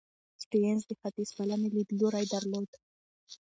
سټيونز د ختیځپالنې لیدلوری درلود.